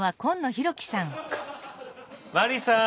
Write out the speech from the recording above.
マリーさん！